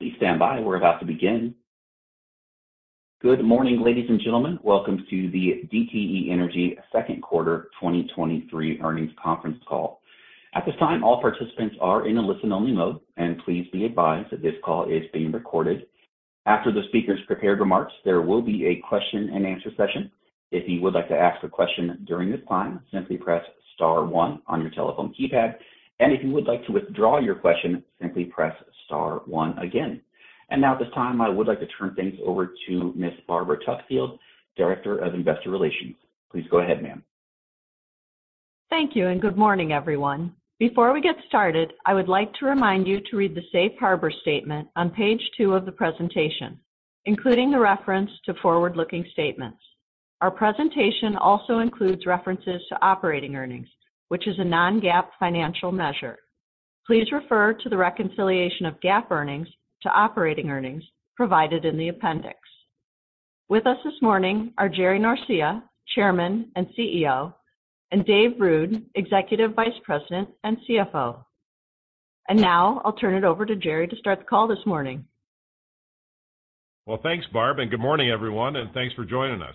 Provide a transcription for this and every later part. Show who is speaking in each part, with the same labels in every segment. Speaker 1: Please stand by. We're about to begin. Good morning, ladies and gentlemen. Welcome to the DTE Energy Second Quarter 2023 Earnings Conference Call. At this time, all participants are in a listen-only mode, and please be advised that this call is being recorded. After the speakers' prepared remarks, there will be a question-and-answer session. If you would like to ask a question during this time, simply press star one on your telephone keypad, and if you would like to withdraw your question, simply press star one again. Now, at this time, I would like to turn things over to Ms. Barbara Tuckfield, Director of Investor Relations. Please go ahead, ma'am.
Speaker 2: Thank you, and good morning, everyone. Before we get started, I would like to remind you to read the safe harbor statement on page 2 of the presentation, including the reference to forward-looking statements. Our presentation also includes references to operating earnings, which is a non-GAAP financial measure. Please refer to the reconciliation of GAAP earnings to operating earnings provided in the appendix. With us this morning are Gerardo Norcia, Chairman and CEO, and David Ruud, Executive Vice President and CFO. Now I'll turn it over to Gerry to start the call this morning.
Speaker 3: Well, thanks, Barb. Good morning, everyone, and thanks for joining us.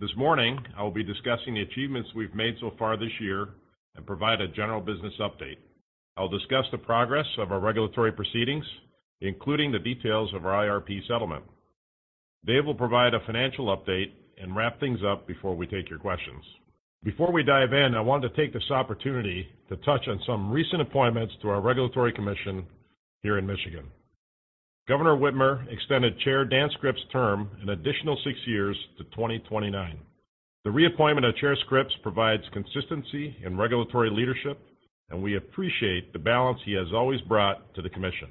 Speaker 3: This morning, I will be discussing the achievements we've made so far this year and provide a general business update. I'll discuss the progress of our regulatory proceedings, including the details of our IRP settlement. Dave will provide a financial update and wrap things up before we take your questions. Before we dive in, I wanted to take this opportunity to touch on some recent appointments to our regulatory commission here in Michigan. Governor Whitmer extended Chair Dan Scripps' term an additional six years to 2029. The reappointment of Chair Scripps provides consistency in regulatory leadership. We appreciate the balance he has always brought to the commission.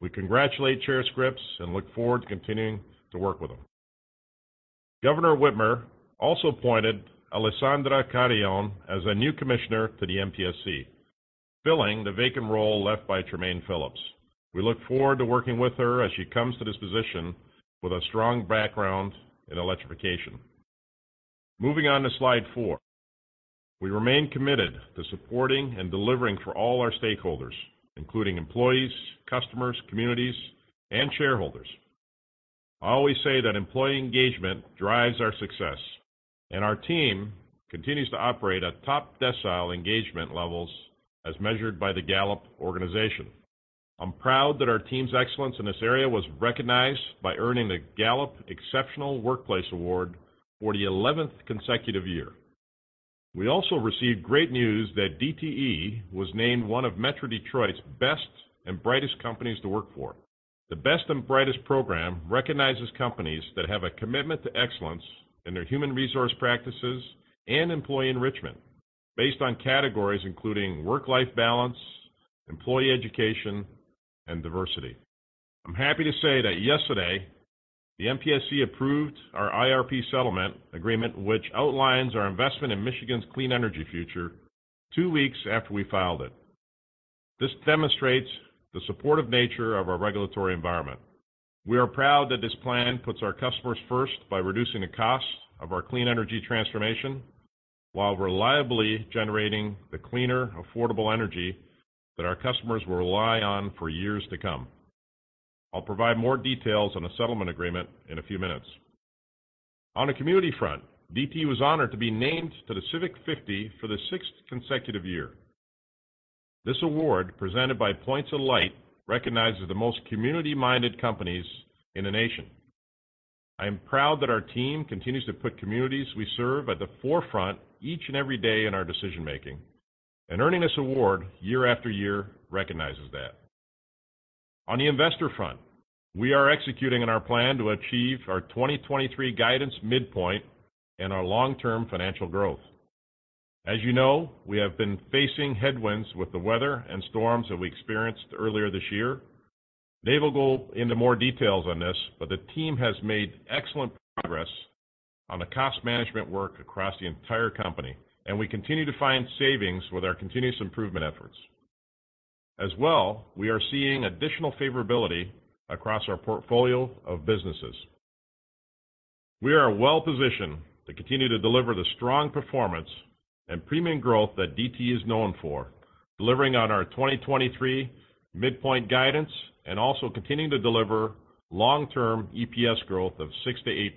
Speaker 3: We congratulate Chair Scripps. We look forward to continuing to work with him. Governor Whitmer also appointed Alessandra Carreon as a new commissioner to the MPSC, filling the vacant role left by Tremaine Phillips. We look forward to working with her as she comes to this position with a strong background in electrification. Moving on to slide four. We remain committed to supporting and delivering for all our stakeholders, including employees, customers, communities, and shareholders. I always say that employee engagement drives our success, and our team continues to operate at top-decile engagement levels as measured by the Gallup Organization. I'm proud that our team's excellence in this area was recognized by earning the Gallup Exceptional Workplace Award for the 11th consecutive year. We also received great news that DTE was named one of Metro Detroit's Best and Brightest Companies to work for. The Best and Brightest program recognizes companies that have a commitment to excellence in their human resource practices and employee enrichment based on categories including work-life balance, employee education, and diversity. I'm happy to say that yesterday, the MPSC approved our IRP settlement agreement, which outlines our investment in Michigan's clean energy future, two weeks after we filed it. This demonstrates the supportive nature of our regulatory environment. We are proud that this plan puts our customers first by reducing the cost of our clean energy transformation while reliably generating the cleaner, affordable energy that our customers will rely on for years to come. I'll provide more details on the settlement agreement in a few minutes. On the community front, DTE was honored to be named to The Civic 50 for the 6th consecutive year. This award, presented by Points of Light, recognizes the most community-minded companies in the nation. I am proud that our team continues to put communities we serve at the forefront each and every day in our decision-making. Earning this award year after year recognizes that. On the investor front, we are executing on our plan to achieve our 2023 guidance midpoint and our long-term financial growth. As you know, we have been facing headwinds with the weather and storms that we experienced earlier this year. Dave will go into more details on this, but the team has made excellent progress on the cost management work across the entire company, and we continue to find savings with our continuous improvement efforts. We are seeing additional favorability across our portfolio of businesses. We are well-positioned to continue to deliver the strong performance and premium growth that DTE is known for, delivering on our 2023 midpoint guidance and also continuing to deliver long-term EPS growth of 6%-8%.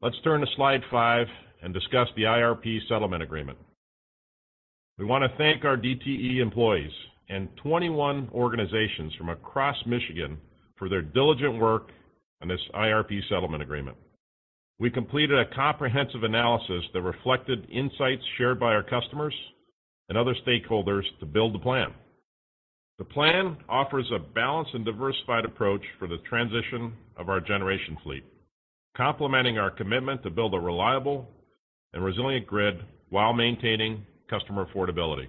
Speaker 3: Let's turn to slide five and discuss the IRP settlement agreement. We want to thank our DTE employees and 21 organizations from across Michigan for their diligent work on this IRP settlement agreement. We completed a comprehensive analysis that reflected insights shared by our customers and other stakeholders to build the plan. The plan offers a balanced and diversified approach for the transition of our generation fleet, complementing our commitment to build a reliable and resilient grid while maintaining customer affordability.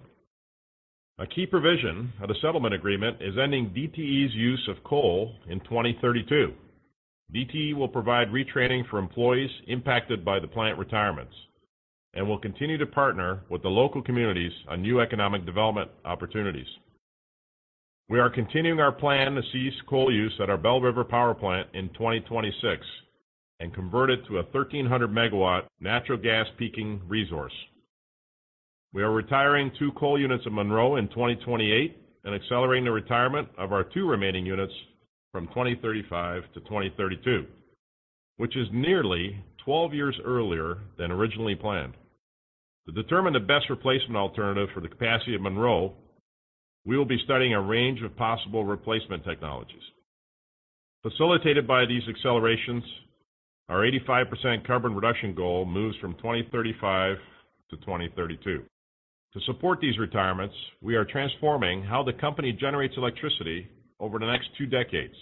Speaker 3: A key provision of the settlement agreement is ending DTE's use of coal in 2032. DTE will provide retraining for employees impacted by the plant retirements and will continue to partner with the local communities on new economic development opportunities. We are continuing our plan to cease coal use at our Belle River Power Plant in 2026 and convert it to a 1,300MW natural gas peaking resource. We are retiring two coal units at Monroe in 2028 and accelerating the retirement of our two remaining units from 2025-2032, which is nearly 12 years earlier than originally planned. To determine the best replacement alternative for the capacity of Monroe, we will be studying a range of possible replacement technologies. Facilitated by these accelerations, our 85% carbon reduction goal moves from 2035 to 2032. To support these retirements, we are transforming how the company generates electricity over the next two decades.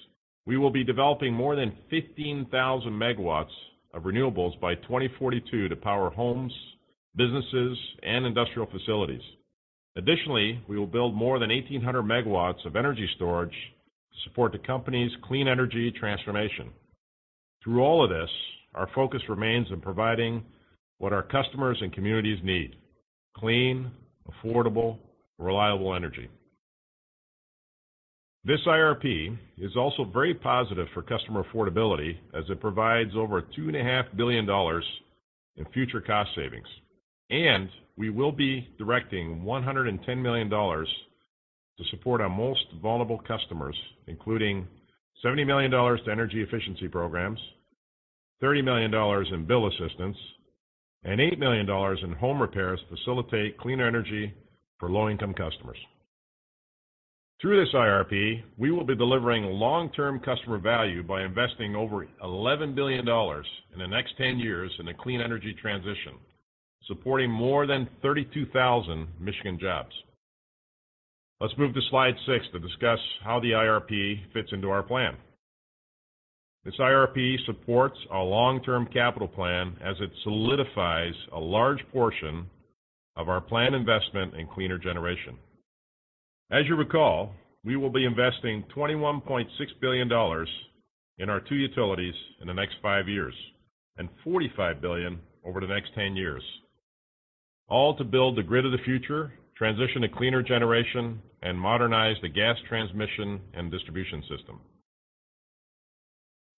Speaker 3: We will be developing more than 15,000MW of renewables by 2042 to power homes, businesses, and industrial facilities. Additionally, we will build more than 1,800MW of energy storage to support the company's clean energy transformation. Through all of this, our focus remains in providing what our customers and communities need: clean, affordable, reliable energy. This IRP is also very positive for customer affordability as it provides over two and a half billion dollars in future cost savings, and we will be directing $110 million to support our most vulnerable customers, including $70 million to energy efficiency programs, $30 million in bill assistance, and $8 million in home repairs to facilitate cleaner energy for low-income customers. Through this IRP, we will be delivering long-term customer value by investing over $11 billion in the next 10 years in a clean energy transition, supporting more than 32,000 Michigan jobs. Let's move to slide six to discuss how the IRP fits into our plan. This IRP supports our long-term capital plan as it solidifies a large portion of our planned investment in cleaner generation. You recall, we will be investing $21.6 billion in our 2 utilities in the next 5 years and $45 billion over the next 10 years, all to build the grid of the future, transition to cleaner generation, and modernize the gas transmission and distribution system.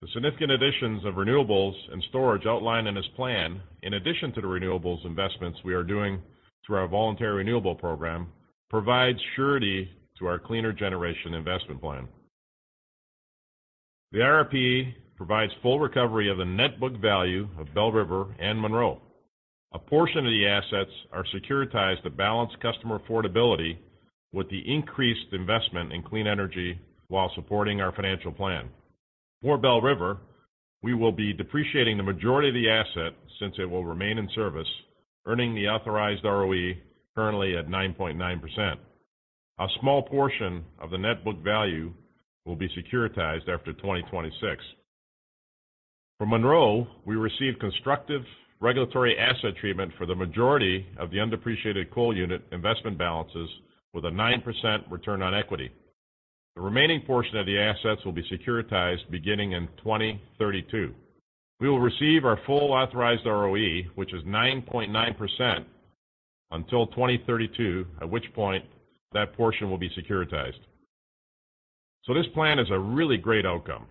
Speaker 3: The significant additions of renewables and storage outlined in this plan, in addition to the renewables investments we are doing through our voluntary renewable program, provides surety to our cleaner generation investment plan. The IRP provides full recovery of the net book value of Belle River and Monroe. A portion of the assets are securitized to balance customer affordability with the increased investment in clean energy while supporting our financial plan. For Belle River, we will be depreciating the majority of the asset since it will remain in service, earning the authorized ROE currently at 9.9%. A small portion of the net book value will be securitized after 2026. For Monroe, we received constructive regulatory asset treatment for the majority of the undepreciated coal unit investment balances with a 9% return on equity. The remaining portion of the assets will be securitized beginning in 2032. We will receive our full authorized ROE, which is 9.9%, until 2032, at which point that portion will be securitized. This plan is a really great outcome.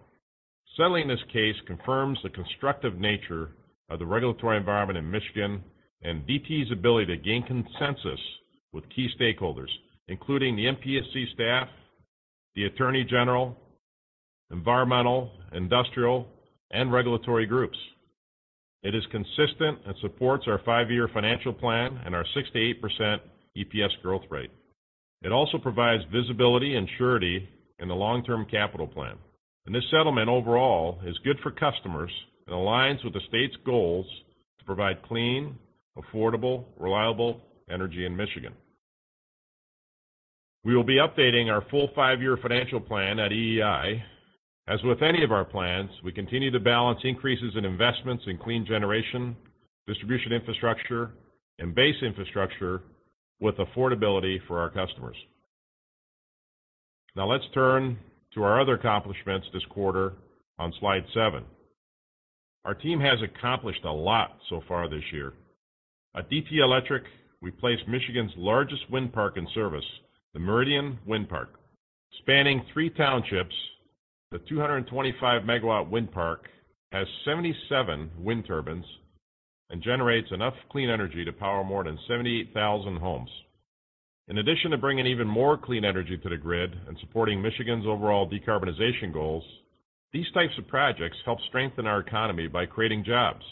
Speaker 3: Settling this case confirms the constructive nature of the regulatory environment in Michigan and DTE's ability to gain consensus with key stakeholders, including the MPSC staff, the Attorney General, environmental, industrial, and regulatory groups. It is consistent and supports our five-year financial plan and our 6-8% EPS growth rate. It also provides visibility and surety in the long-term capital plan. This settlement overall is good for customers and aligns with the state's goals to provide clean, affordable, reliable energy in Michigan. We will be updating our full five-year financial plan at EEI. As with any of our plans, we continue to balance increases in investments in clean generation, distribution infrastructure, and base infrastructure with affordability for our customers. Now, let's turn to our other accomplishments this quarter on slide seven. Our team has accomplished a lot so far this year. At DTE Electric, we placed Michigan's largest wind park in service, the Meridian Wind Park. Spanning three townships, the 225MW wind park has 77 wind turbines and generates enough clean energy to power more than 78,000 homes. In addition to bringing even more clean energy to the grid and supporting Michigan's overall decarbonization goals, these types of projects help strengthen our economy by creating jobs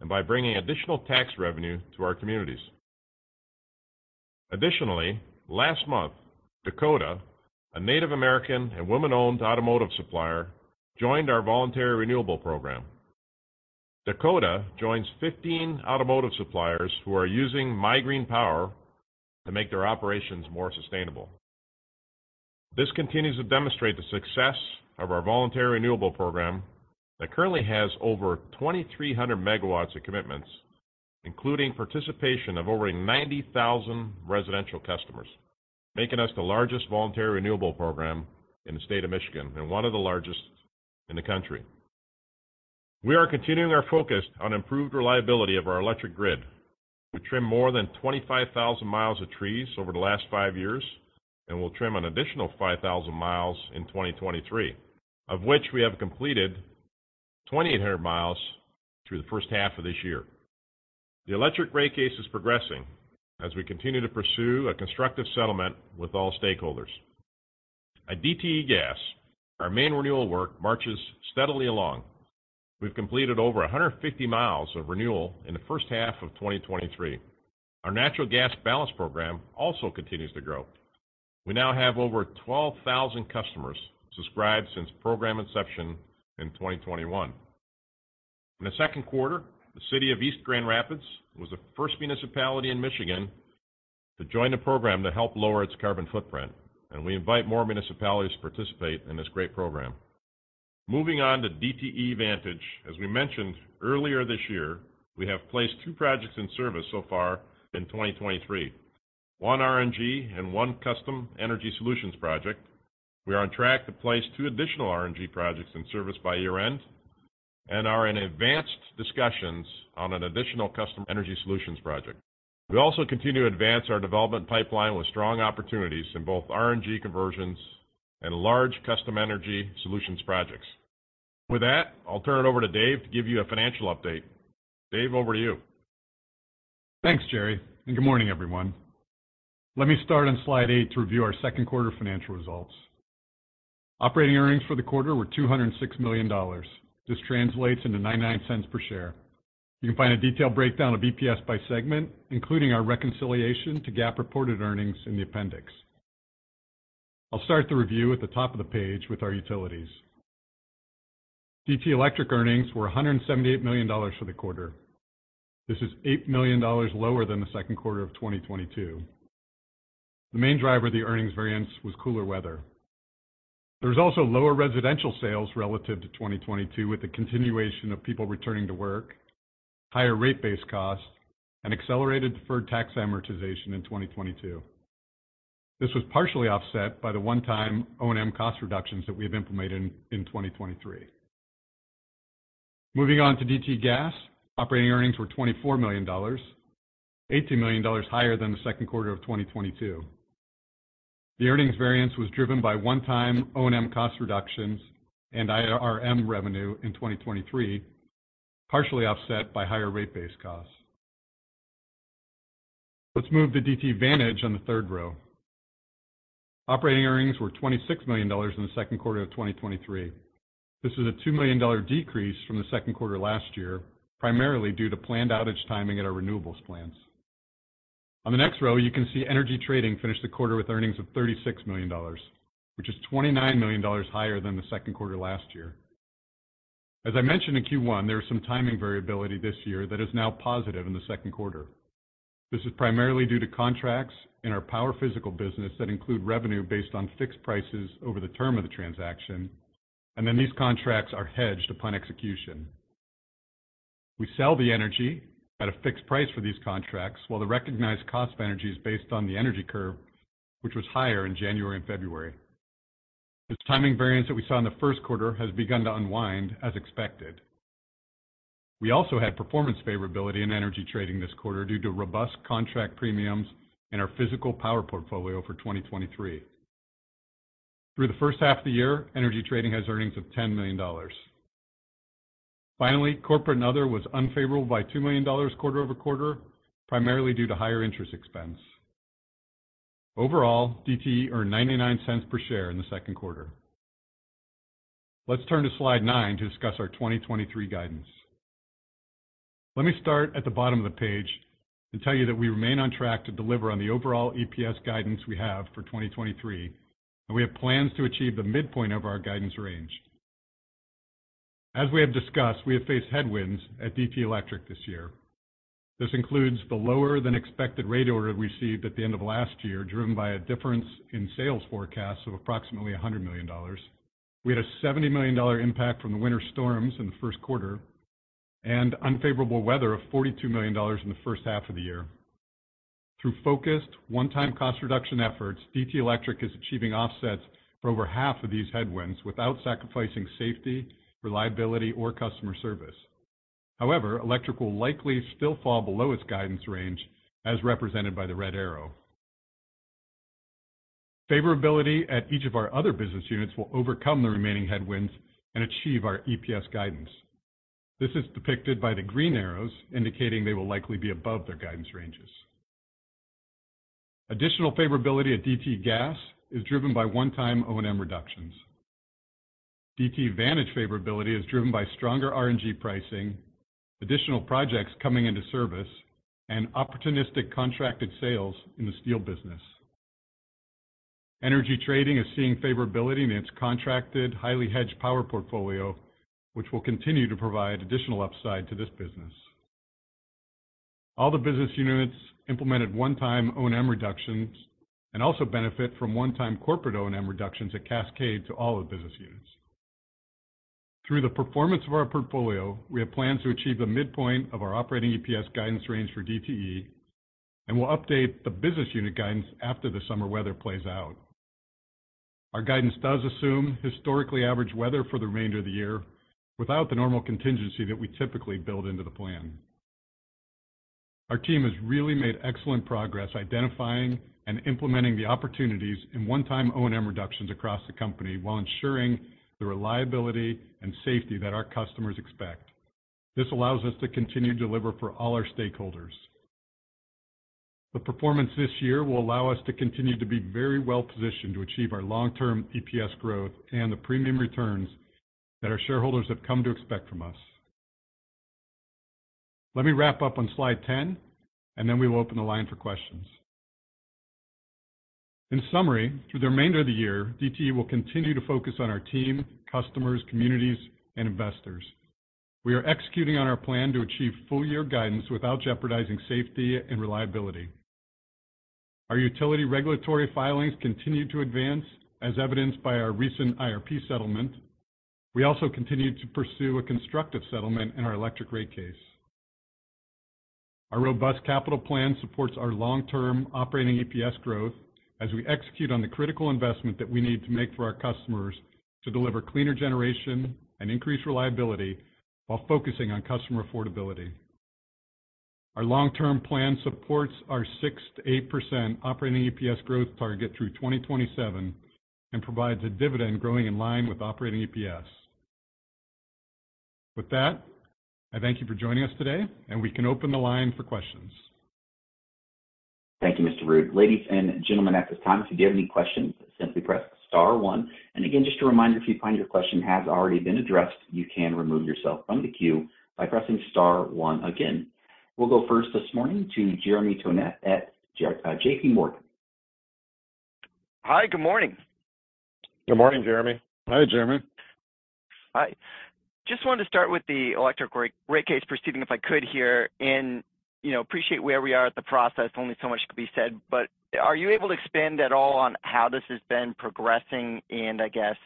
Speaker 3: and by bringing additional tax revenue to our communities. Last month, Dakota, a Native American and women-owned automotive supplier, joined our voluntary renewable program. Dakota joins 15 automotive suppliers who are using MIGreenPower to make their operations more sustainable. This continues to demonstrate the success of our voluntary renewable program that currently has over 2,300MW of commitments, including participation of over 90,000 residential customers, making us the largest voluntary renewable program in the State of Michigan and one of the largest in the country. We are continuing our focus on improved reliability of our electric grid. We trimmed more than 25,000 miles of trees over the last five years, and we'll trim an additional 5,000 miles in 2023, of which we have completed 2,800 miles through the first half of this year. The electric rate case is progressing as we continue to pursue a constructive settlement with all stakeholders. At DTE Gas, our main renewal work marches steadily along. We've completed over 150 miles of renewal in the first half of 2023. Our Natural Gas Balance program also continues to grow. We now have over 12,000 customers subscribed since program inception in 2021. In the second quarter, the City of East Grand Rapids was the first municipality in Michigan to join the program to help lower its carbon footprint. We invite more municipalities to participate in this great program. Moving on to DTE Vantage. As we mentioned earlier this year, we have placed 2 projects in service so far in 2023, 1 RNG and 1 Custom Energy Solutions project. We are on track to place 2 additional RNG projects in service by year-end and are in advanced discussions on an additional Custom Energy Solutions project. We also continue to advance our development pipeline with strong opportunities in both RNG conversions and large Custom Energy Solutions projects. With that, I'll turn it over to Dave to give you a financial update. Dave, over to you.
Speaker 4: Thanks, Gerry. Good morning, everyone. Let me start on slide eight to review our second-quarter financial results. Operating earnings for the quarter were $206 million. This translates into $0.99 per share. You can find a detailed breakdown of EPS by segment, including our reconciliation to GAAP-reported earnings in the appendix. I'll start the review at the top of the page with our utilities. DTE Electric earnings were $178 million for the quarter. This is $8 million lower than the second quarter of 2022. The main driver of the earnings variance was cooler weather. There was also lower residential sales relative to 2022, with the continuation of people returning to work, higher rate-based costs, and accelerated deferred tax amortization in 2022. This was partially offset by the one-time O&M cost reductions that we have implemented in 2023. Moving on to DTE Gas. Operating earnings were $24 million, $18 million higher than the second quarter of 2022. The earnings variance was driven by one-time O&M cost reductions and IRM revenue in 2023, partially offset by higher rate-based costs. Let's move to DTE Vantage on the third row. Operating earnings were $26 million in the second quarter of 2023. This is a $2 million decrease from the second quarter last year, primarily due to planned outage timing at our renewables plants. On the next row, you can see energy trading finished the quarter with earnings of $36 million, which is $29 million higher than the second quarter last year. As I mentioned in Q1, there was some timing variability this year that is now positive in the second quarter. This is primarily due to contracts in our power physical business that include revenue based on fixed prices over the term of the transaction. These contracts are hedged upon execution. We sell the energy at a fixed price for these contracts, while the recognized cost of energy is based on the energy curve, which was higher in January and February. This timing variance that we saw in the first quarter has begun to unwind, as expected. We also had performance favorability in energy trading this quarter due to robust contract premiums in our physical power portfolio for 2023. Through the first half of the year, energy trading has earnings of $10 million. Finally, corporate and other was unfavorable by $2 million quarter-over-quarter, primarily due to higher interest expense. Overall, DTE earned $0.99 per share in the second quarter. Let's turn to slide 9 to discuss our 2023 guidance. Let me start at the bottom of the page and tell you that we remain on track to deliver on the overall EPS guidance we have for 2023, and we have plans to achieve the midpoint of our guidance range. As we have discussed, we have faced headwinds at DTE Electric this year. This includes the lower-than-expected rate order we received at the end of last year, driven by a difference in sales forecasts of approximately $100 million. We had a $70 million impact from the winter storms in the first quarter and unfavorable weather of $42 million in the first half of the year. Through focused, one-time cost reduction efforts, DTE Electric is achieving offsets for over half of these headwinds without sacrificing safety, reliability, or customer service. However, Electric will likely still fall below its guidance range, as represented by the red arrow. Favorability at each of our other business units will overcome the remaining headwinds and achieve our EPS guidance. This is depicted by the green arrows, indicating they will likely be above their guidance ranges. Additional favorability at DTE Gas is driven by one-time O&M reductions. DTE Vantage favorability is driven by stronger RNG pricing, additional projects coming into service, and opportunistic contracted sales in the steel business. Energy trading is seeing favorability in its contracted, highly hedged power portfolio, which will continue to provide additional upside to this business. All the business units implemented one-time O&M reductions and also benefit from one-time corporate O&M reductions that cascade to all the business units. Through the performance of our portfolio, we have plans to achieve the midpoint of our operating EPS guidance range for DTE, and we'll update the business unit guidance after the summer weather plays out. Our guidance does assume historically average weather for the remainder of the year, without the normal contingency that we typically build into the plan. Our team has really made excellent progress identifying and implementing the opportunities in one-time O&M reductions across the company, while ensuring the reliability and safety that our customers expect. This allows us to continue to deliver for all our stakeholders. The performance this year will allow us to continue to be very well-positioned to achieve our long-term EPS growth and the premium returns that our shareholders have come to expect from us. Let me wrap up on slide 10, and then we will open the line for questions. In summary, through the remainder of the year, DTE will continue to focus on our team, customers, communities, and investors. We are executing on our plan to achieve full-year guidance without jeopardizing safety and reliability. Our utility regulatory filings continue to advance, as evidenced by our recent IRP settlement. We also continue to pursue a constructive settlement in our electric rate case. Our robust capital plan supports our long-term operating EPS growth as we execute on the critical investment that we need to make for our customers to deliver cleaner generation and increased reliability, while focusing on customer affordability. Our long-term plan supports our 6%-8% operating EPS growth target through 2027, provides a dividend growing in line with operating EPS. With that, I thank you for joining us today, we can open the line for questions.
Speaker 1: Thank you, Mr. Ruud. Ladies and gentlemen, at this time, if you do have any questions, simply press star one. Just a reminder, if you find your question has already been addressed, you can remove yourself from the queue by pressing star one again. We'll go first this morning to Jeremy Tonet at JPMorgan.
Speaker 5: Hi, good morning.
Speaker 3: Good morning, Jeremy.
Speaker 4: Hi, Jeremy.
Speaker 5: Hi. Just wanted to start with the electric rate case proceeding, if I could, here. You know, appreciate where we are at the process. Only so much can be said, but are you able to expand at all on how this has been progressing and I guess,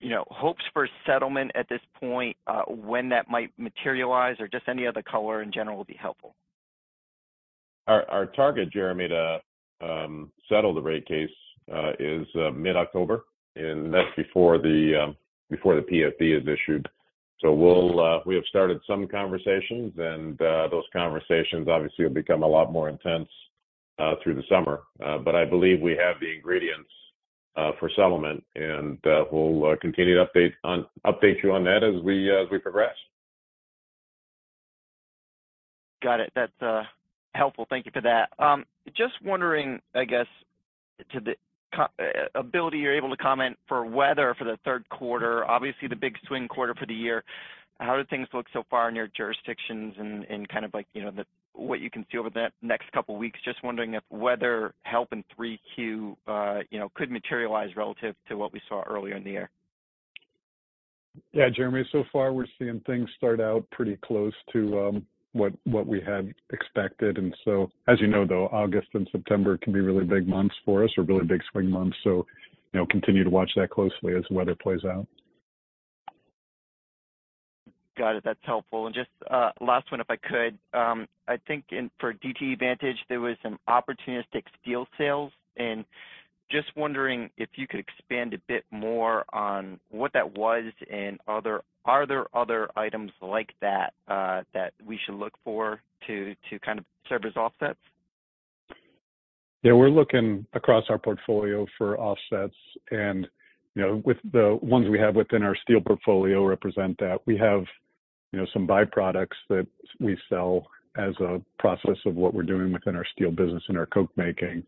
Speaker 5: you know, hopes for settlement at this point, when that might materialize or just any other color in general would be helpful?
Speaker 3: Our target, Jeremy, to settle the rate case is mid-October, that's before the PFD is issued. We'll. We have started some conversations, those conversations obviously will become a lot more intense through the summer. I believe we have the ingredients for settlement, we'll continue to update you on that as we progress.
Speaker 5: Got it. That's helpful. Thank you for that. Just wondering, I guess, to the ability you're able to comment for weather for the third quarter, obviously the big swing quarter for the year. How do things look so far in your jurisdictions and, and kind of like, you know, the, what you can see over the next couple of weeks? Just wondering if weather help in 3Q, you know, could materialize relative to what we saw earlier in the year.
Speaker 4: Yeah, Jeremy, so far we're seeing things start out pretty close to what we had expected. As you know, though, August and September can be really big months for us or really big swing months, so, you know, continue to watch that closely as the weather plays out.
Speaker 5: Got it. That's helpful. Just last one, if I could. I think in, for DTE Vantage, there was some opportunistic steel sales, and just wondering if you could expand a bit more on what that was and are there other items like that that we should look for to, to kind of serve as offsets?
Speaker 4: Yeah, we're looking across our portfolio for offsets, and, you know, with the ones we have within our steel portfolio represent that. We have, you know, some byproducts that we sell as a process of what we're doing within our steel business and our coke making,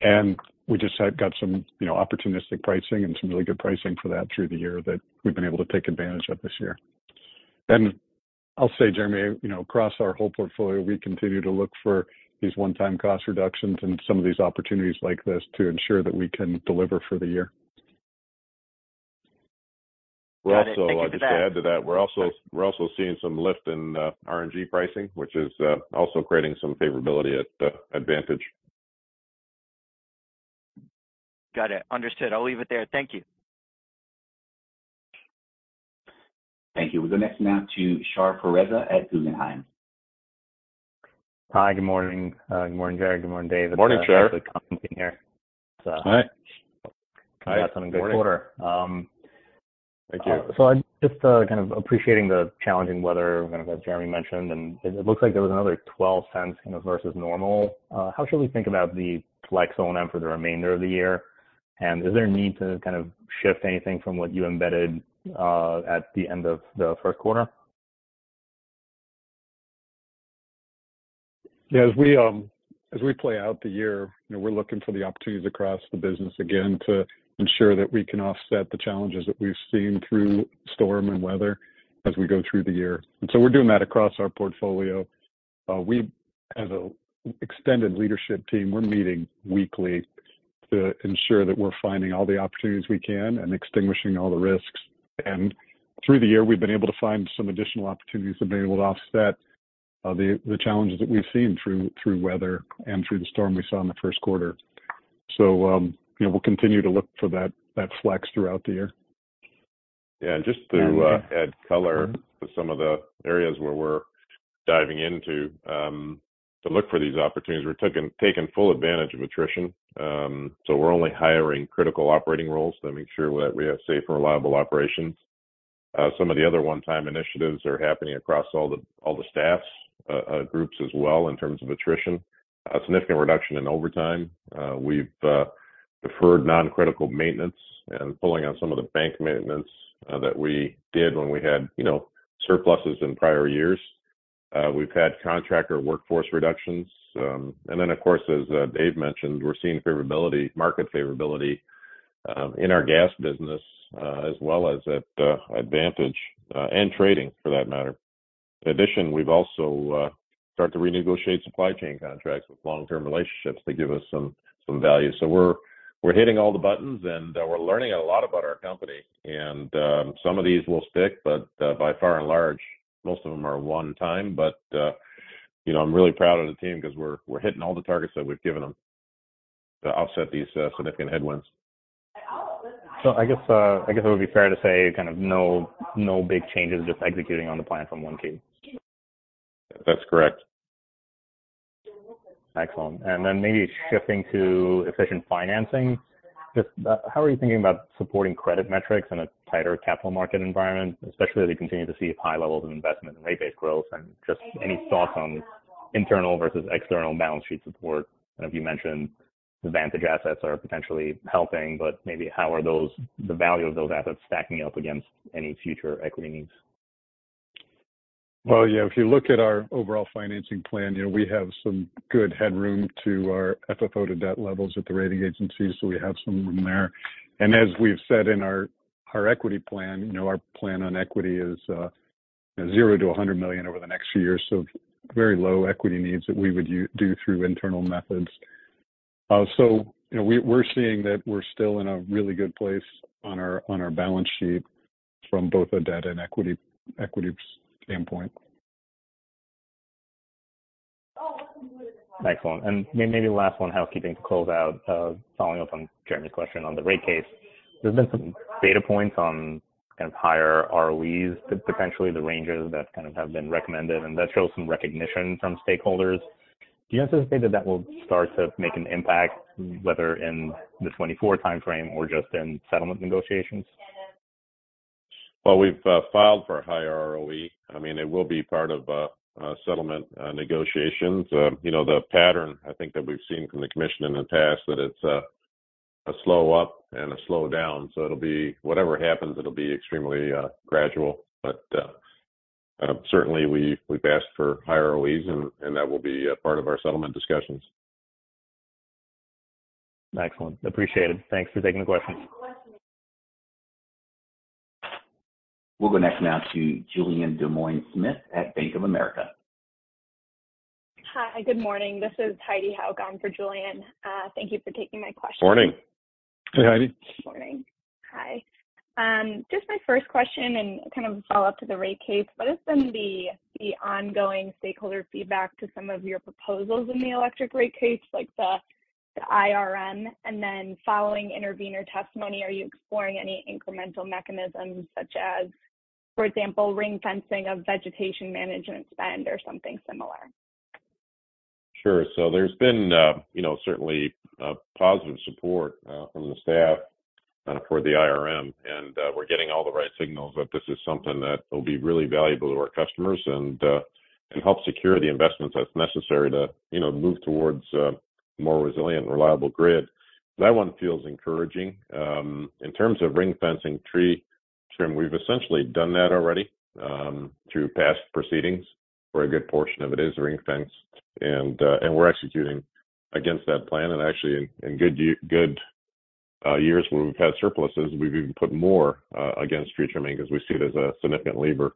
Speaker 4: and we just have got some, you know, opportunistic pricing and some really good pricing for that through the year that we've been able to take advantage of this year. I'll say, Jeremy, you know, across our whole portfolio, we continue to look for these one-time cost reductions and some of these opportunities like this to ensure that we can deliver for the year.
Speaker 5: Got it. Thank you for that.
Speaker 3: Also, just to add to that, we're also seeing some lift in RNG pricing, which is also creating some favorability at the advantage.
Speaker 5: Got it. Understood. I'll leave it there. Thank you.
Speaker 1: Thank you. We'll go next now to Shar Pourreza at Guggenheim.
Speaker 6: Hi, good morning. Good morning, Jerry. Good morning, Dave.
Speaker 3: Morning, Shar.
Speaker 6: Hi. Got some good quarter.
Speaker 3: Thank you.
Speaker 6: I'm just, kind of appreciating the challenging weather, kind of, as Jeremy mentioned, and it looks like there was another $0.12, you know, versus normal. How should we think about the flex O&M for the remainder of the year? Is there a need to kind of shift anything from what you embedded, at the end of the first quarter?
Speaker 4: Yeah, as we, as we play out the year, you know, we're looking for the opportunities across the business again, to ensure that we can offset the challenges that we've seen through storm and weather as we go through the year. We're doing that across our portfolio. We, as a extended leadership team, we're meeting weekly to ensure that we're finding all the opportunities we can and extinguishing all the risks. Through the year, we've been able to find some additional opportunities that have been able to offset, the challenges that we've seen through, through weather and through the storm we saw in the first quarter. You know, we'll continue to look for that, that flex throughout the year.
Speaker 3: Yeah, just to add color to some of the areas where we're diving into, to look for these opportunities. We're taking full advantage of attrition. We're only hiring critical operating roles to make sure that we have safe and reliable operations. Some of the other one-time initiatives are happening across all the staffs, groups as well, in terms of attrition. A significant reduction in overtime. We've deferred non-critical maintenance and pulling on some of the bank maintenance that we did when we had, you know, surpluses in prior years. We've had contractor workforce reductions. Of course, as Dave mentioned, we're seeing favorability, market favorability, in our gas business, as well as at Advantage, and trading, for that matter. In addition, we've also started to renegotiate supply chain contracts with long-term relationships to give us some, some value. We're, we're hitting all the buttons, and we're learning a lot about our company. Some of these will stick, but by far and large, most of them are one time. You know, I'm really proud of the team because we're, we're hitting all the targets that we've given them to offset these significant headwinds.
Speaker 6: I guess it would be fair to say kind of no big changes, just executing on the plan from one key?
Speaker 3: That's correct.
Speaker 6: Excellent. Then maybe shifting to efficient financing, just, how are you thinking about supporting credit metrics in a tighter capital market environment, especially as we continue to see high levels of investment and rate-based growth? Just any thoughts on internal versus external balance sheet support? I know you mentioned the Advantage assets are potentially helping, but maybe the value of those assets stacking up against any future equity needs?
Speaker 4: If you look at our overall financing plan, you know, we have some good headroom to our FFO to debt levels at the rating agencies, so we have some room there. As we've said in our, our equity plan, you know, our plan on equity is $0-$100 million over the next few years, so very low equity needs that we would do through internal methods. You know, we, we're seeing that we're still in a really good place on our balance sheet from both a debt and equity standpoint.
Speaker 6: Excellent. Maybe the last one, housekeeping to close out, following up on Jeremy's question on the rate case. There's been some data points on kind of higher ROEs, potentially the ranges that kind of have been recommended, and that shows some recognition from stakeholders. Do you anticipate that will start to make an impact, whether in the 2024 timeframe or just in settlement negotiations?
Speaker 3: Well, we've filed for a higher ROE. I mean, it will be part of settlement negotiations. You know, the pattern, I think, that we've seen from the commission in the past, that it's a slow up and a slow down, so it'll be. Whatever happens, it'll be extremely gradual. Certainly we've asked for higher ROEs, and that will be a part of our settlement discussions.
Speaker 6: Excellent. Appreciate it. Thanks for taking the question.
Speaker 1: We'll go next now to Julien Dumoulin-Smith at Bank of America.
Speaker 7: Hi, good morning. This is Heidi Hauch for Julian. Thank you for taking my question.
Speaker 3: Morning.
Speaker 4: Hey, Heidi.
Speaker 7: Good morning. Hi. just my first question and kind of a follow-up to the rate case: What has been the ongoing stakeholder feedback to some of your proposals in the electric rate case, like the IRM? Following intervener testimony, are you exploring any incremental mechanisms, such as, for example, ring fencing of vegetation management spend or something similar?
Speaker 3: Sure. There's been, you know, certainly, positive support from the staff for the IRM, we're getting all the right signals that this is something that will be really valuable to our customers and help secure the investments that's necessary to, you know, move towards a more resilient and reliable grid. That one feels encouraging. In terms of ring fencing tree trim, we've essentially done that already through past proceedings, where a good portion of it is ring-fenced. We're executing against that plan, and actually, in good years where we've had surpluses, we've even put more against tree trimming because we see it as a significant lever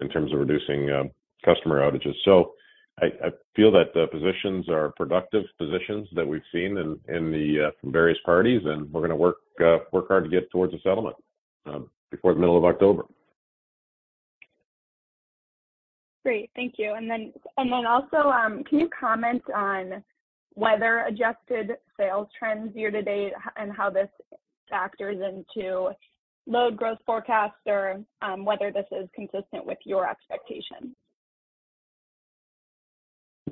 Speaker 3: in terms of reducing customer outages. I feel that the positions are productive positions that we've seen in the from various parties, and we're going to work hard to get towards a settlement before the middle of October.
Speaker 7: Great, thank you. Also, can you comment on weather-adjusted sales trends year to date and how this factors into load growth forecasts or, whether this is consistent with your expectations?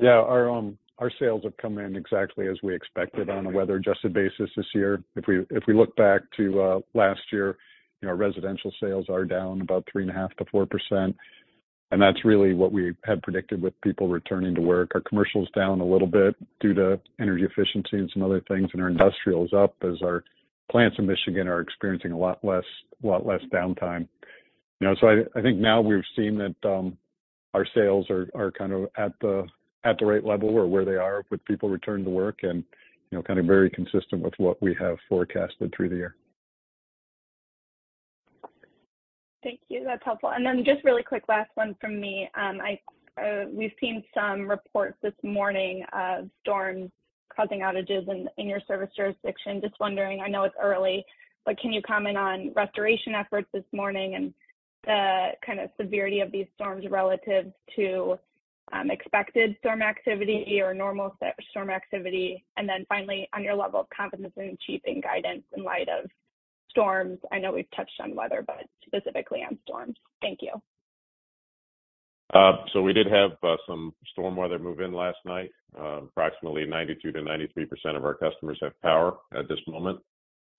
Speaker 4: Yeah, our sales have come in exactly as we expected on a weather-adjusted basis this year. If we look back to last year, you know, residential sales are down about 3.5%-4%, that's really what we had predicted with people returning to work. Our commercial is down a little bit due to energy efficiency and some other things, our industrial is up as our plants in Michigan are experiencing a lot less downtime. You know, I think now we've seen that our sales are kind of at the right level or where they are with people returning to work and, you know, kind of very consistent with what we have forecasted through the year.
Speaker 7: Thank you. That's helpful. Just really quick, last one from me. We've seen some reports this morning of storms causing outages in, in your service jurisdiction. Just wondering, I know it's early, but can you comment on restoration efforts this morning and the kind of severity of these storms relative to expected storm activity or normal storm activity? Finally, on your level of confidence in achieving guidance in light of storms. I know we've touched on weather, but specifically on storms. Thank you.
Speaker 3: We did have some stormy weather move in last night. Approximately 92%-93% of our customers have power at this moment.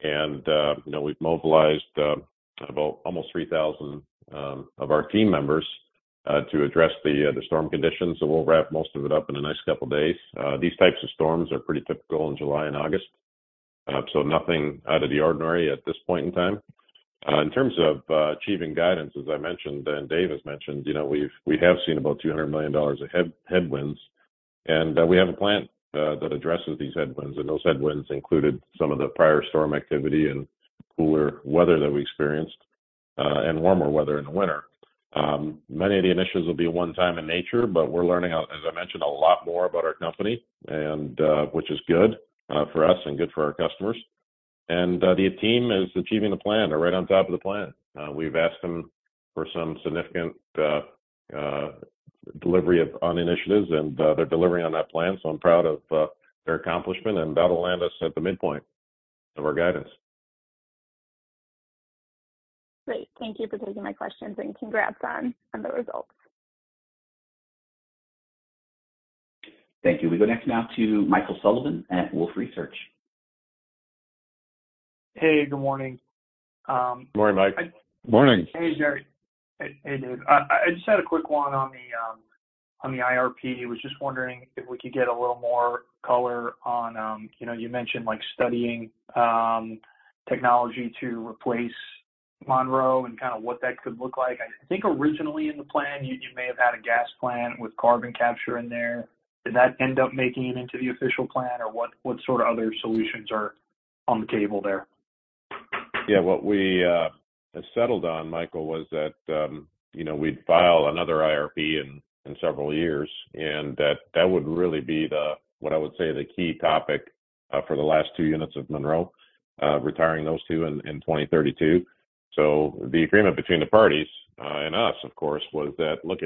Speaker 3: You know, we've mobilized about almost 3,000 of our team members to address the storm conditions. We'll wrap most of it up in the next couple days. These types of storms are pretty typical in July and August, nothing out of the ordinary at this point in time. In terms of achieving guidance, as I mentioned, and David Ruud has mentioned, you know, we have seen about $200 million of headwinds, we have a plan that addresses these headwinds, and those headwinds included some of the prior storm activity and cooler weather that we experienced and warmer weather in the winter. Many of the initiatives will be one-time in nature, but we're learning, as I mentioned, a lot more about our company and, which is good, for us and good for our customers. The team is achieving the plan. They're right on top of the plan. We've asked them for some significant delivery on initiatives, and they're delivering on that plan, so I'm proud of their accomplishment, and that'll land us at the midpoint of our guidance.
Speaker 7: Great. Thank you for taking my questions. Congrats on the results.
Speaker 1: Thank you. We go next now to Michael Sullivan at Wolfe Research.
Speaker 8: Hey, good morning.
Speaker 3: Good morning, Mike.
Speaker 4: Morning.
Speaker 8: Hey, Jerry. Hey, Dave. I just had a quick one on the on the IRP. I was just wondering if we could get a little more color on, you know, you mentioned, like, studying technology to replace Monroe and kind of what that could look like. I think originally in the plan, you may have had a gas plan with carbon capture in there. Did that end up making it into the official plan, or what sort of other solutions are on the table there?
Speaker 3: What we settled on, Michael, was that, you know, we'd file another IRP in several years, and that that would really be the, what I would say, the key topic, for the last two units of Monroe, retiring those two in 2032. The agreement between the parties, and us, of course, was that, look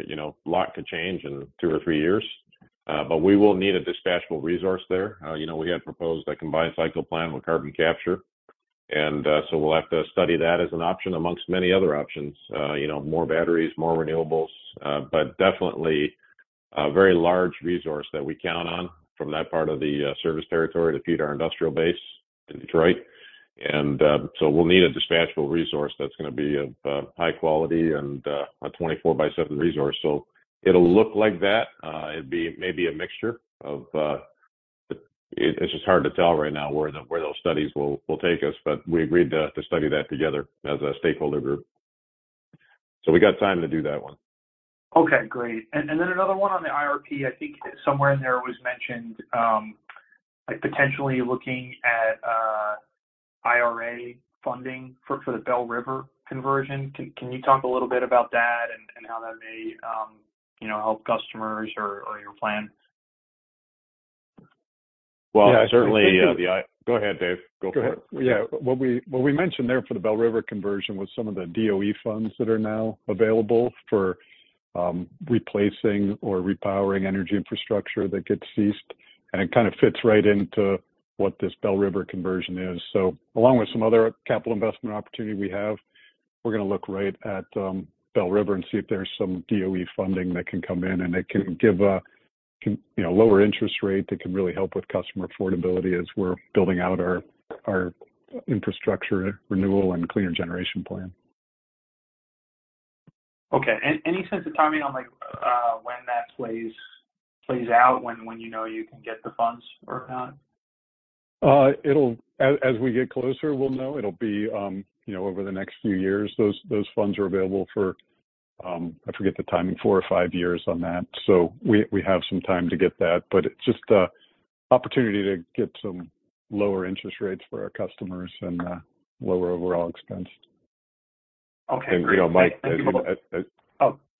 Speaker 3: lot could change in 2 or 3 years, but we will need a dispatchable resource there. You know, we had proposed a combined cycle plan with carbon capture, and so we'll have to study that as an option amongst many other options. You know, more batteries, more renewables, but definitely a very large resource that we count on from that part of the service territory to feed our industrial base in Detroit. We'll need a dispatchable resource that's going to be of high quality and a 24/7 resource. It'll look like that. It'd be maybe a mixture of. It's just hard to tell right now where those studies will take us, but we agreed to study that together as a stakeholder group. We got time to do that one.
Speaker 8: Okay, great. Then another one on the IRP. I think somewhere in there, it was mentioned, like, potentially looking at IRA funding for the Belle River conversion. Can you talk a little bit about that and how that may, you know, help customers or your plan?
Speaker 4: Go ahead. Yeah. What we mentioned there for the Belle River conversion was some of the DOE funds that are now available for replacing or repowering energy infrastructure that gets ceased, and it kind of fits right into what this Belle River conversion is. Along with some other capital investment opportunity we have, we're going to look right at Belle River and see if there's some DOE funding that can come in, and it can give a, you know, lower interest rate that can really help with customer affordability as we're building out our infrastructure renewal and cleaner generation plan.
Speaker 8: Okay. Any sense of timing on, like, when that plays out, when you can get the funds or not?
Speaker 4: As we get closer, we'll know. It'll be, over the next few years. Those funds are available for, I forget the timing, four or five years on that. We have some time to get that, but it's just an opportunity to get some lower interest rates for our customers and lower overall expenses.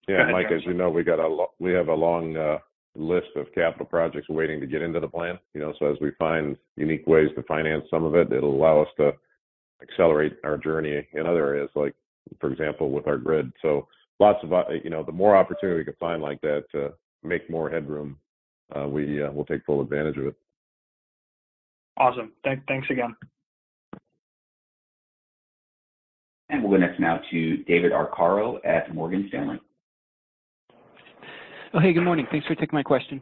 Speaker 3: Yeah, Mike, as you know, we have a long list of capital projects waiting to get into the plan. As we find unique ways to finance some of it, it'll allow us to accelerate our journey in other areas for example, with our grid. The more opportunities we can find like that to make more headroom, we will take full advantage of it.
Speaker 8: Awesome. Thanks again.
Speaker 1: We'll go next now to David Arcaro at Morgan Stanley.
Speaker 9: Hey, good morning. Thanks for taking my question.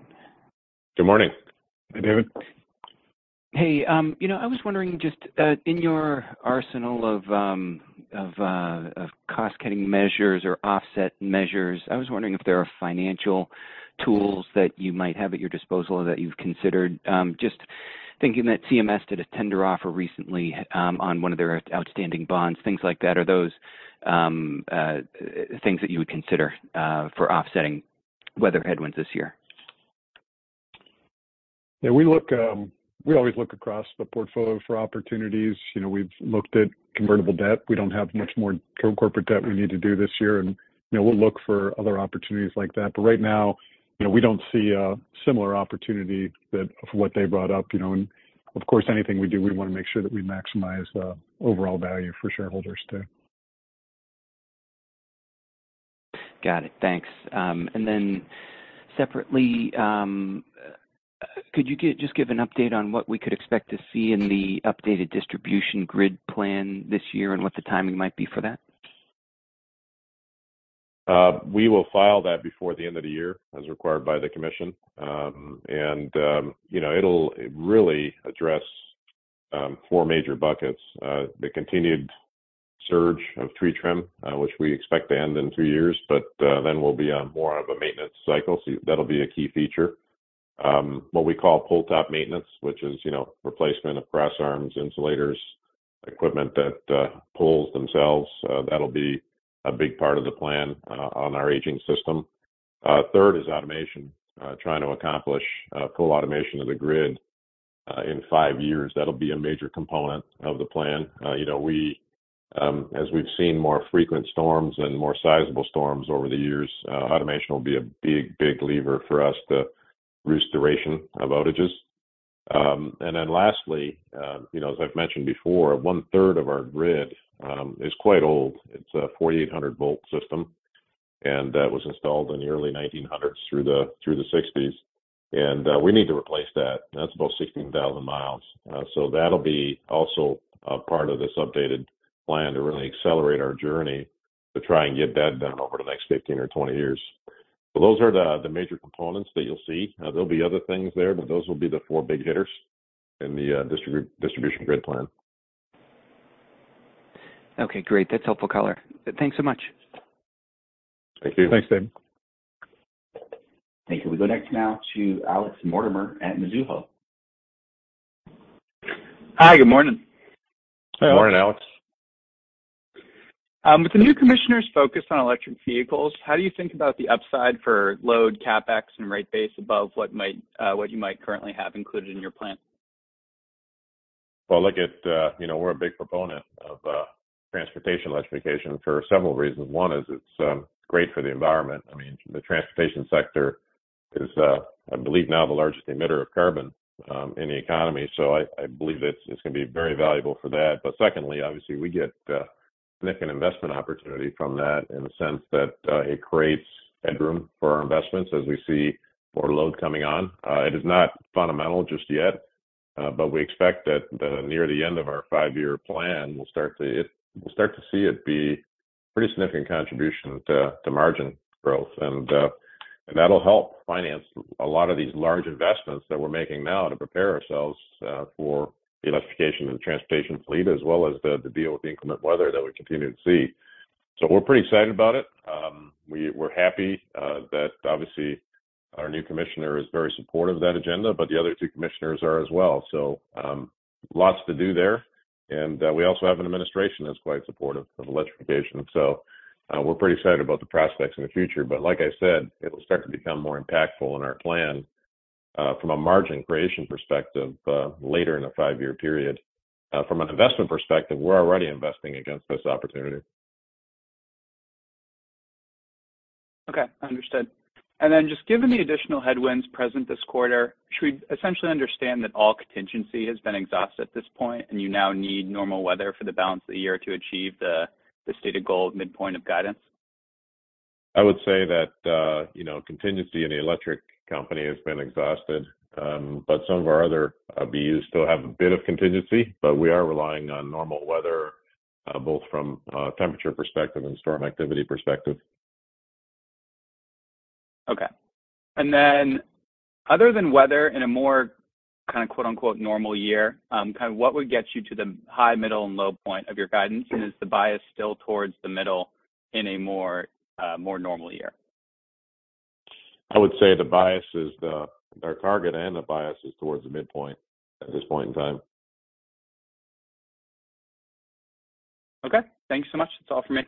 Speaker 3: Good morning.
Speaker 4: Hey, David.
Speaker 9: You know, I was wondering just in your arsenal of of cost-cutting measures or offset measures, I was wondering if there are financial tools that you might have at your disposal that you've considered? Just thinking that CMS did a tender offer recently on one of their outstanding bonds, things like that. Are those things that you would consider for offsetting weather headwinds this year?
Speaker 4: Yeah, we look, we always look across the portfolio for opportunities. You know, we've looked at convertible debt. We don't have much more corporate debt we need to do this year. You know, we'll look for other opportunities like that. Right now, you know, we don't see a similar opportunity that, of what they brought up, you know, and of course, anything we do, we want to make sure that we maximize the overall value for shareholders too.
Speaker 9: Got it. Thanks. Then separately, could you just give an update on what we could expect to see in the updated distribution grid plan this year, and what the timing might be for that?
Speaker 3: We will file that before the end of the year, as required by the Commission. You know, it'll really address 4 major buckets. The continued surge of tree trim, which we expect to end in 2 years, but then we'll be on more of a maintenance cycle. That'll be a key feature. What we call pole top maintenance, which is, you know, replacement of cross arms, insulators, equipment that pulls themselves, that'll be a big part of the plan on our aging system. Third is automation, trying to accomplish full automation of the grid in 5 years. That'll be a major component of the plan. You know, we, as we've seen more frequent storms and more sizable storms over the years, automation will be a big lever for us to reduce duration of outages. Lastly, you know, as I've mentioned before, one third of our grid is quite old. It's a 4,800 volt system, and that was installed in the early 1900s through the 1960s, and we need to replace that. That's about 16,000 miles. So that'll be also a part of this updated plan to really accelerate our journey to try and get that done over the next 15 or 20 years. Those are the major components that you'll see. There'll be other things there, but those will be the four big hitters in the distribution grid plan.
Speaker 9: Okay, great. That's helpful color. Thanks so much.
Speaker 3: Thank you.
Speaker 1: Thanks, David. Thank you. We go next now to Alex Mortimer at Mizuho.
Speaker 10: Hi, good morning.
Speaker 3: Good morning, Alex.
Speaker 10: With the new commissioner's focus on electric vehicles, how do you think about the upside for load CapEx and rate base above what you might currently have included in your plan?
Speaker 3: Well, look at, you know, we're a big proponent of transportation electrification for several reasons. One is it's great for the environment. I mean, the transportation sector is, I believe now the largest emitter of carbon in the economy. I believe it's going to be very valuable for that. Secondly, obviously, we get significant investment opportunity from that in the sense that it creates headroom for our investments as we see more load coming on. It is not fundamental just yet, but we expect that near the end of our 5-year plan, we'll start to see it be pretty significant contribution to margin growth. That'll help finance a lot of these large investments that we're making now to prepare ourselves for the electrification and transportation fleet, as well as the deal with the inclement weather that we continue to see. We're pretty excited about it. We're happy that obviously our new Commissioner is very supportive of that agenda, but the other two Commissioners are as well. Lots to do there. We also have an administration that's quite supportive of electrification, we're pretty excited about the prospects in the future. But like I said, it'll start to become more impactful in our plan, from a margin creation perspective, later in a five-year period. From an investment perspective, we're already investing against this opportunity.
Speaker 10: Okay, understood. Just given the additional headwinds present this quarter, should we essentially understand that all contingency has been exhausted at this point, and you now need normal weather for the balance of the year to achieve the, the stated goal of midpoint of guidance?
Speaker 3: I would say that, you know, contingency in the electric company has been exhausted, but some of our other BUs still have a bit of contingency, but we are relying on normal weather, both from a temperature perspective and storm activity perspective.
Speaker 10: Okay. Other than weather in a more, kind of quote-unquote, "normal year," kind of what would get you to the high, middle, and low point of your guidance? Is the bias still towards the middle in a more, more normal year?
Speaker 3: I would say the bias is our target and the bias is towards the midpoint at this point in time.
Speaker 10: Okay, thanks so much. That's all for me.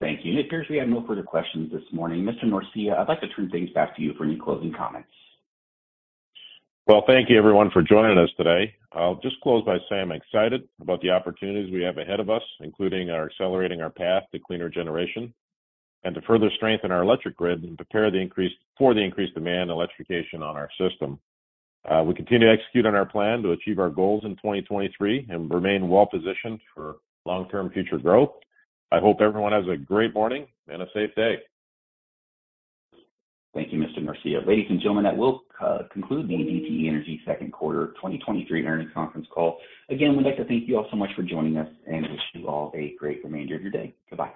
Speaker 1: Thank you. It appears we have no further questions this morning. Mr. Norcia, I'd like to turn things back to you for any closing comments.
Speaker 3: Well, thank you everyone for joining us today. I'll just close by saying I'm excited about the opportunities we have ahead of us, including our accelerating our path to cleaner generation, and to further strengthen our electric grid and prepare for the increased demand and electrification on our system. We continue to execute on our plan to achieve our goals in 2023 and remain well-positioned for long-term future growth. I hope everyone has a great morning and a safe day.
Speaker 1: Thank you, Mr. Norcia. Ladies and gentlemen, that will conclude the DTE Energy Second Quarter 2023 Earnings Conference Call. Again, we'd like to thank you all so much for joining us, and wish you all a great remainder of your day. Goodbye.